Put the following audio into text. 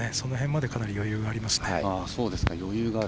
その辺までかなり余裕があります。